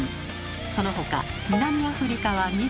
そのほか南アフリカは緑